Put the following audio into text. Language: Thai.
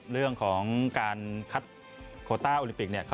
เรื่องของการคัดโคต้าโอลิมปิก